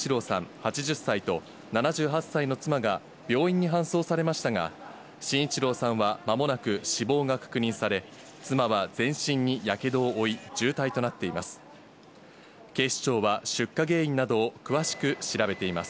８０歳と、７８歳の妻が病院に搬送されましたが、信一郎さんはまもなく死亡が確認され、妻は全身にやけどを負い、重体となっています。